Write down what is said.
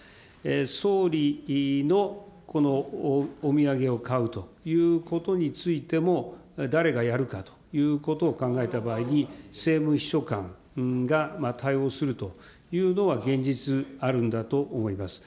総理のお土産を買うということについても、誰がやるかということを考えた場合に、政務秘書官が対応するというのは、現実、あるんだと思います。